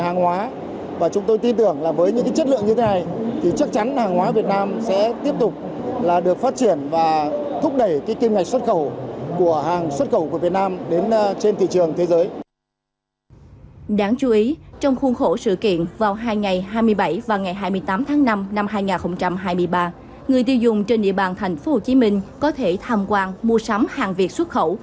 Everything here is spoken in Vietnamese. người tiêu dùng trên địa bàn thành phố hồ chí minh có thể tham quan mua sắm hàng việt xuất khẩu